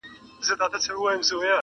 • دغه کار ته فکر وړی دی حیران دی,